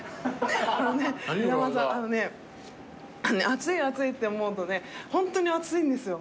暑い暑いって思うとホントに暑いんですよ